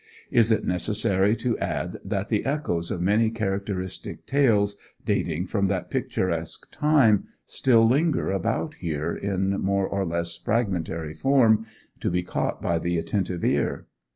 Is it necessary to add that the echoes of many characteristic tales, dating from that picturesque time, still linger about here in more or less fragmentary form, to be caught by the attentive ear?